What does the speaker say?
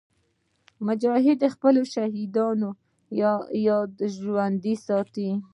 مجاهد د خپلو شهیدانو یاد ژوندي ساتي.